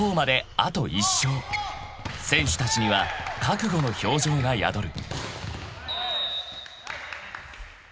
［選手たちには覚悟の表情が宿る］